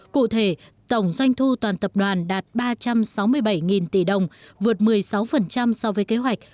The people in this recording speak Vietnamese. cụ thể tổng doanh thu toàn tập đoàn đạt ba trăm sáu mươi bảy tỷ đồng vượt một mươi sáu so với kế hoạch